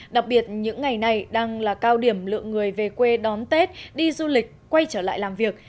đặc biệt những ngày này đang là cao điểm lượng người về quê đón tết đi du lịch quay trở lại làm việc